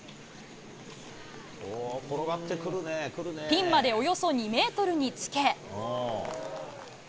ピンまでおよそ２メートルにつけ。